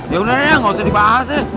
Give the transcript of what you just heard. yaudah ya gak usah dibahas ya